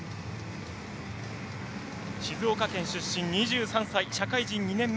静岡県出身社会人２年目。